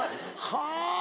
はぁ！